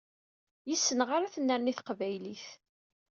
Yes-neɣ ara tennerni teqbaylit.